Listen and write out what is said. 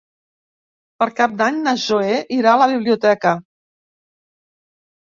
Per Cap d'Any na Zoè irà a la biblioteca.